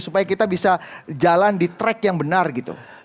supaya kita bisa jalan di track yang benar gitu